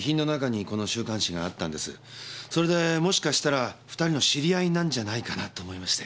それでもしかしたら２人の知り合いなんじゃないかなと思いまして。